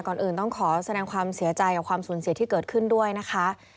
ก่อนอื่นต้องขอแสดงความเสียใจกับความสูญเสียที่เกิดขึ้นด้วยนะคะ